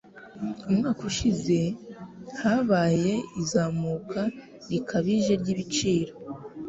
Umwaka ushize habaye izamuka rikabije ryibiciro.